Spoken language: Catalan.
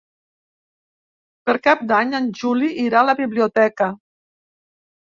Per Cap d'Any en Juli irà a la biblioteca.